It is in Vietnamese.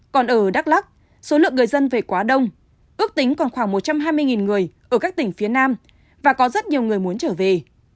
còn ở đắk lắc số lượng người dân về quá đông ước tính còn khoảng một trăm hai mươi người ở các tỉnh phía nam và có rất nhiều người muốn trở về